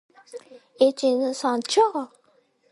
一二三跳！跳进染缸！